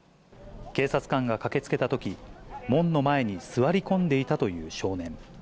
警察官が駆けつけたとき、門の前に座り込んでいたという少年。